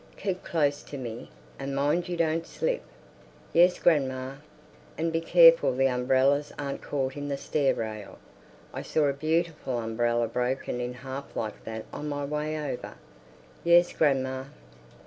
Keep close to me, and mind you don't slip." "Yes, grandma!" "And be careful the umbrellas aren't caught in the stair rail. I saw a beautiful umbrella broken in half like that on my way over." "Yes, grandma."